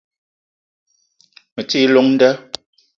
Me ti i llong nda